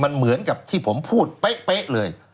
มันเหมือนกับที่ผมพูดเป๊ะเลย